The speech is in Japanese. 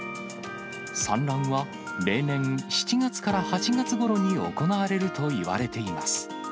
産卵は例年７月から８月ごろに行われるといわれています。